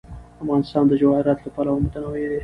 افغانستان د جواهراتو له پلوه متنوع دی.